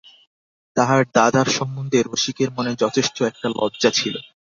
তাহার দাদার সম্বন্ধে রসিকের মনে যথেষ্ট একটা লজ্জা ছিল।